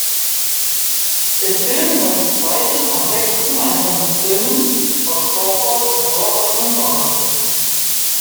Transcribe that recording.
Der Film war die zweite von sechs gemeinsamen Filmen von Crawford mit Robert Montgomery.